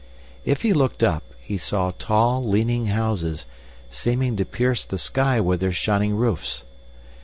If he looked up, he saw tall, leaning houses, seeming to pierce the sky with their shining roofs.